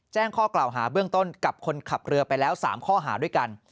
แจ้งข้อกล่าวหาเบื้องต้นกับคนขับเรือไปแล้ว๓ข้อหาด้วยกัน